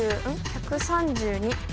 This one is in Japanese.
１３２。